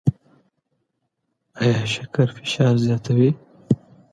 ایا شکر فشار زیاتوي؟